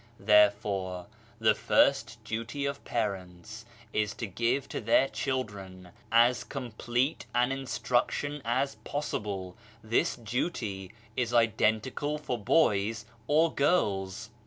Therefore the first duty of parents is to give to their children as complete an instruction as possible : this duty is identical for boys or girls.